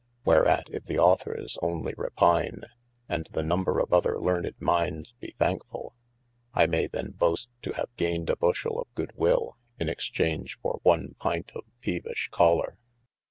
Wherat if ' the aucthors onely repyne, and the number of other learned mindes be thank full : I may then boast to have gained a bushell of good will, in exchange for one pynt of peevish choler.